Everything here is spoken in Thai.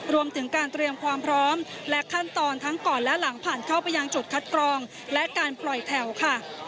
รวมถึงการเตรียมความพร้อมและขั้นตอนทั้งก่อนและหลังผ่านเข้าไปยังจุดคัดกรองและการปล่อยแถวค่ะ